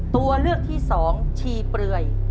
ตัวเลือกที่สองชีเปลือย